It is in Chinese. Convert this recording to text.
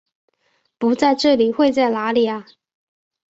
不在这里会在哪里啊？